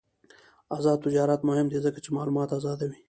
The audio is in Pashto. آزاد تجارت مهم دی ځکه چې معلومات آزادوي.